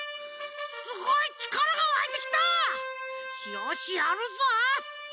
よしやるぞ！